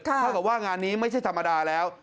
เท่ากับว่างานนี้ไม่ใช่ธรรมดาแล้ว